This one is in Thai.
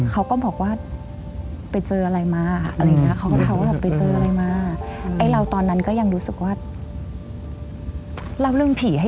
เขาก็บอกว่าไปเจออะไรมาอะไรอย่างนี้นะ